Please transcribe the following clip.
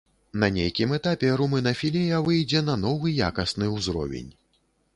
На нейкім этапе румынафілія выйдзе на новы якасны ўзровень.